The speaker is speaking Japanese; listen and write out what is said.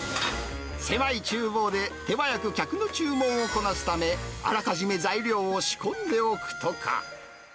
狭いちゅう房で手早く客の注文をこなすため、あらかじめ材料を仕込んでおくとか。